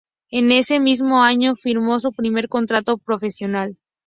En ese mismo año firmó su primer contrato profesional.